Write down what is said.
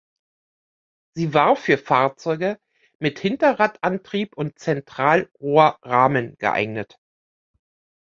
Sie war für Fahrzeuge mit Hinterradantrieb und Zentralrohrrahmen geeignet.